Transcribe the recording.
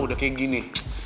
udah kayak gini